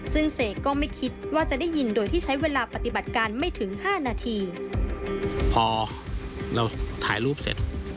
ซึ่งเสกก็ไม่คิดว่าจะได้ยินโดยที่ใช้เวลาปฏิบัติการไม่ถึงห้านาทีพอเราถ่ายรูปเสร็จ